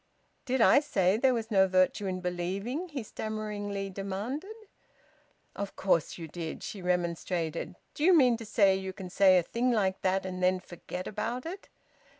"Did I say there was no virtue in believing?" he stammeringly demanded. "Of course you did!" she remonstrated. "Do you mean to say you can say a thing like that and then forget about it?